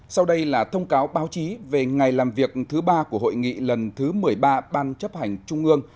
sau đây là thông cáo báo chí về ngày làm việc thứ ba của hội nghị lần thứ một mươi ba ban chấp hành trung ương